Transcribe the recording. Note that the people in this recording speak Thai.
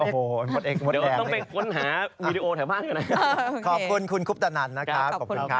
หมดเอ็กซ์หมดแอร์